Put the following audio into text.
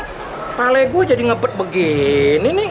kepala gue jadi ngepet begini nih